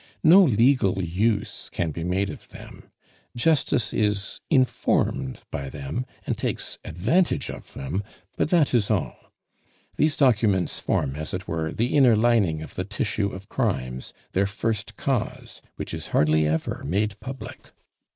No legal use can be made of them; Justice is informed by them, and takes advantage of them; but that is all. These documents form, as it were, the inner lining of the tissue of crimes, their first cause, which is hardly ever made public.